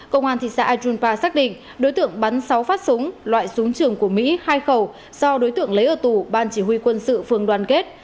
công an thị xã ajunpa xác định đối tượng bắn sáu phát súng loại súng trường của mỹ hai khẩu do đối tượng lấy ở tủ ban chỉ huy quân sự phường đoàn kết